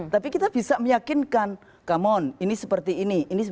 tapi kita bisa meyakinkan come on ini seperti ini